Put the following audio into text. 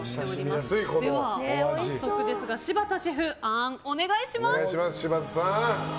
早速ですが柴田シェフあーん、お願いします。